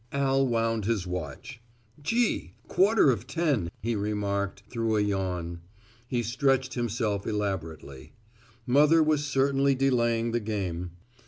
Al wound his watch. "Gee, quarter of ten," he remarked, through a yawn. He stretched himself elaborately. Mother was certainly delaying the game.